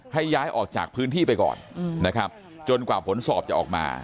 ให้ย้ายออกจากพื้นที่ไปก่อนนะครับจนกว่าผลสอบจะออกมา